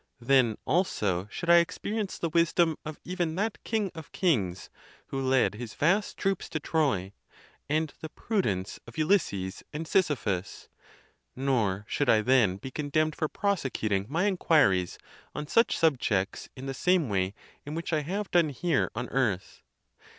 Then, also, should I experience the wisdom of even that king of kings, who led his vast troops to Troy, and the prudence of Ulysses and Sisyphus: nor should I then be condemned for prosecuting my inquiries on such subjects in the same way in which I have done here on earth.